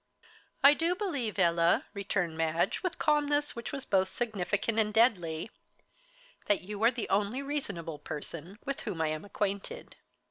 "I do believe, Ella," returned Madge, with calmness which was both significant and deadly, "that you are the only reasonable person with whom I am acquainted."